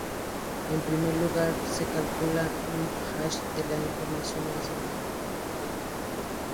En primer lugar se calcula un "hash" de la información original.